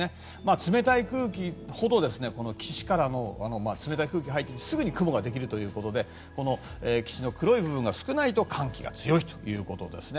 冷たい空気ほど岸からの冷たい空気が入ってすぐに雲ができるということで岸の黒い部分が少ないと寒気が強いということですね。